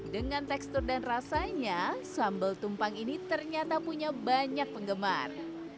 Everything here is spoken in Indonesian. dengan tekstur dan rasanya sambal tumpang ini ternyata punya banyak penggemar